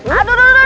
aduh aduh aduh